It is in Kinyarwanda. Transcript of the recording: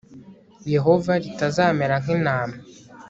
Yehova ritazamera nk intama